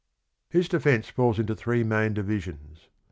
His defence falls into three main divisions.